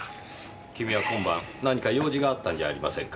君は今晩何か用事があったんじゃありませんか？